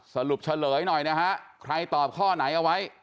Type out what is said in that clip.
เฉลยหน่อยนะฮะใครตอบข้อไหนเอาไว้